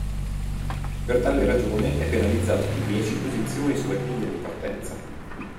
Per tale ragione è penalizzato di dieci posizioni sulla griglia di partenza.